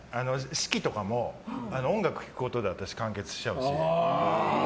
四季とかも、音楽聴くことで私、完結しちゃうし。